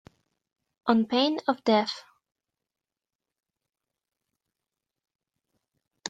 On pain of death